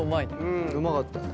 うんうまかったね。